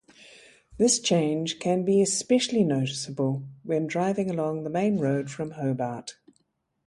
This change can be especially noticeable when driving along the main road from Hobart.